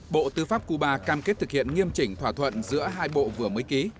bộ tư pháp cuba cam kết thực hiện nghiêm chỉnh thỏa thuận giữa hai bộ vừa mới ký